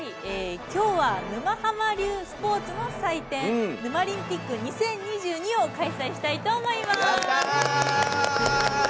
きょうは沼ハマ流スポーツの祭典「ヌマリンピック２０２２」を開催したいと思います。